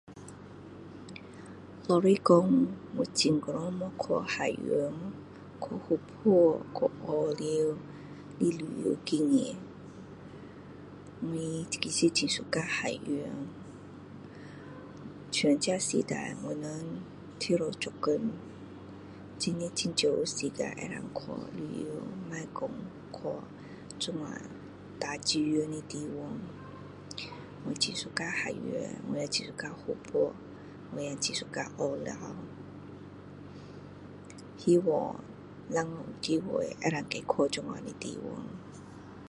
老实说我很久没去海洋去瀑布去河流的旅游经验我真的很喜欢海洋像这时代我们一直作工真的很少有时间能够去旅游那去去这样较自由的地方我很喜欢海洋很喜欢瀑布我也很喜欢河流希望以后有机会可以再去这样的地方